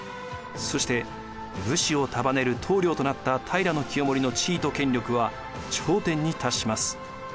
そして武士を束ねる棟梁となった平清盛の地位と権力は頂点に達します。